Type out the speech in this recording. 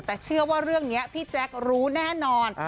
แต่เชื่อว่าเรื่องนี้พี่แจ๊ครู้แน่นอน